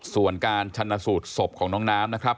ส่วนการชนะสูตรศพของน้องน้ำนะครับ